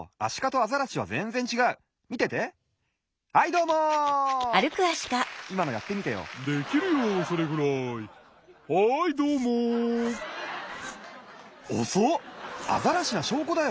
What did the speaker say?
アザラシなしょうこだよ。